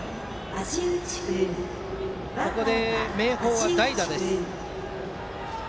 ここで明豊は代打です。